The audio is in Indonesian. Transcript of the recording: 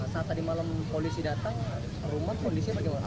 saat tadi malam polisi datang rumah polisi bagaimana